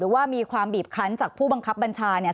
ว่ามีความบีบคันจากผู้บังคับบัญชาเนี่ย